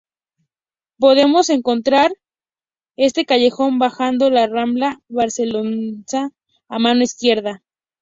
Podemos encontrar este callejón bajando La Rambla barcelonesa a mano izquierda.